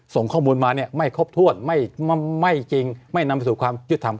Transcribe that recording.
ส่งข้อมูลมาเนี่ยไม่ครบถ้วนไม่จริงไม่นำไปสู่ความยุติธรรม